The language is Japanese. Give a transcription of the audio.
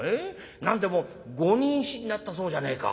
何でもご妊娠になったそうじゃねえか」。